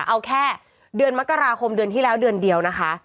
เอาแค่เดือนมกราคมเดือนที่แล้วเดือนเดียวนะคะ